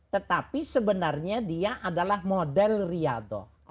tetapi sebenarnya dia adalah model riado